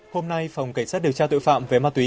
hôm nay phòng cảnh sát điều tra tội phạm về ma túy